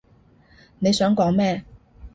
你想講咩？